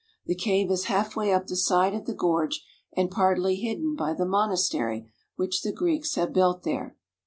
The cave is half way up the side of the gorge and partly hidden by the monastery which the Greeks have built there.